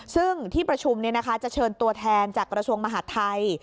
ซึ่งที่ประชุมจะเชิญตัวแทนจากกระทรวงมหาดไทย